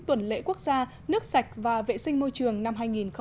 tuần lễ quốc gia nước sạch và vệ sinh môi trường năm hai nghìn một mươi bảy